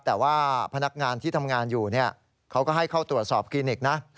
แต่ว่าพนักงานที่ทำงานอยู่เขาก็ให้เข้าตรวจสอบคลินิกนะ